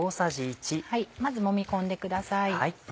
まずもみ込んでください。